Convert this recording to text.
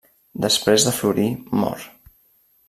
Després de florir mor.